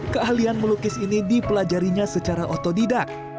keahlian melukis ini dipelajarinya secara otodidak